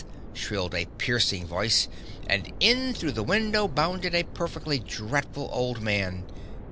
shrilled a piercing voice, and in through the window bounded a perfectly dreadful old man.